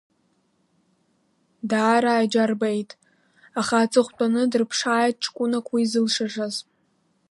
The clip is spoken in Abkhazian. Даара аџьа рбеит, аха аҵыхәтәаны дрыԥшааит ҷкәынак уи зылшашаз.